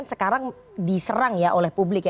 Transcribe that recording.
sekarang diserang ya oleh publik